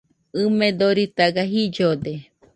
ɨme doritaga jillode